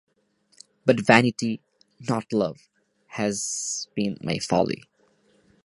But vanity, not love, has been my folly.